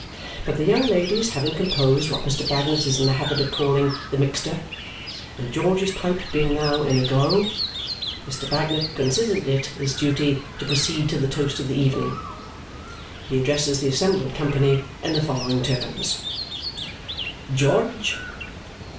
But the young ladies having composed what Mr. Bagnet is in the habit of calling "the mixtur," and George's pipe being now in a glow, Mr. Bagnet considers it his duty to proceed to the toast of the evening. He addresses the assembled company in the following terms. "George.